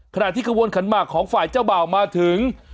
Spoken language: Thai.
ขณะที่กระบวนขันหมากของฝ่ายเจ้าบ่าวมาถึง